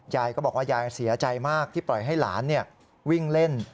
ยายก็บอกว่ายายเสียใจมากที่ปล่อยให้หลานวิ่งเล่น